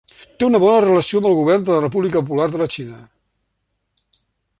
Té una bona relació amb el govern de la República Popular de la Xina.